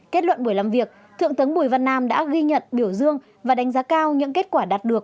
kết luận buổi làm việc thượng tướng bùi văn nam đã ghi nhận biểu dương và đánh giá cao những kết quả đạt được